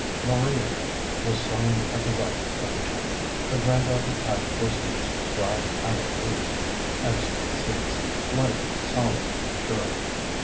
Maria was sewing at the right side of the chimney; her granddaughters had for seats dry aloe leaves, excellent seats, light, solid, and sure.